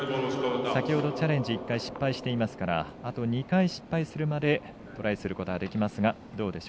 先ほどチャレンジ失敗してますからあと２回失敗するまでトライすることができますが。